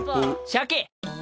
しゃけ。